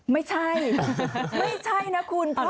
ไม่ใช่ไม่ใช่นะคุณ